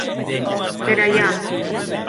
Per Allà!